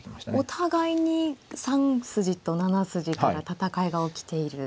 お互いに３筋と７筋から戦いが起きている形。